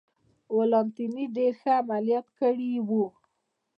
ولانتیني ډېر ښه عملیات کړي و.